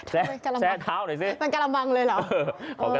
แช่เท้าหน่อยซิอย่างกระป๋ังเลยเหรอ